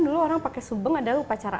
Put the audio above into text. dulu orang pakai subeng adalah upacara